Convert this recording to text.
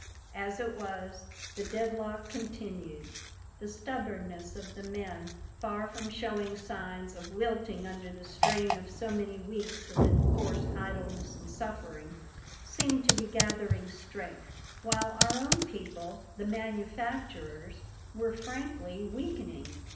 As it was, the deadlock continued. The stubbornness of the men, far from showing signs of wilting under the strain of so many weeks of enforced idleness and suffering, seemed to be gathering strength, while our own people, the manufacturers, were frankly weakening.